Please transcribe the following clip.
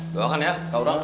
bukan ya kau orang